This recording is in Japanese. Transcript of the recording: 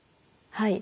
はい。